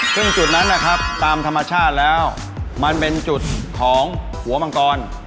ซึ่งจุดนั้นนะครับตามธรรมชาติแล้วมันเป็นจุดของหัวมังกร